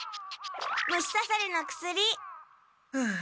虫さされの薬。はあ